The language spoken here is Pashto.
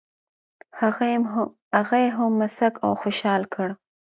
هغه یې هم مسک او خوشال کړ.